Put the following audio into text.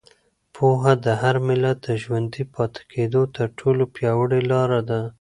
پوهه د هر ملت د ژوندي پاتې کېدو تر ټولو پیاوړې لاره ده.